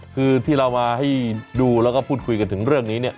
คือที่เรามาให้ดูแล้วก็พูดคุยกันถึงเรื่องนี้เนี่ย